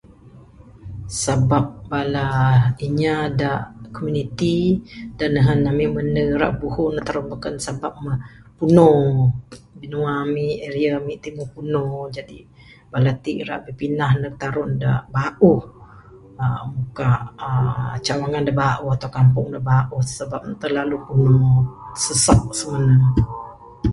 Sabab bala inya da komuniti, da nehen ami mende rak buhu neg tarun beken sabab meh puno binua ami ye ami ti meh puno jadi bala ti rak bipindah neg tarun da bauh aaa da aaa cawangan da bauh atau kampung da bauh sabab ne terlalu puno, sesak simene.